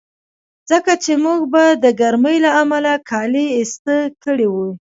ځکه چې موږ به د ګرمۍ له امله کالي ایسته کړي وي.